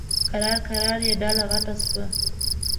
کرار کرار یې ډله غټه شوه.